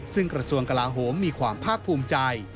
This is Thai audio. ซึ่งกระทรวงกลาโหมมีความภาคภูมิใจ